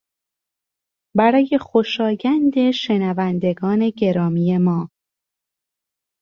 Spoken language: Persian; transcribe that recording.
برای خوشایند شنوندگان گرامی ما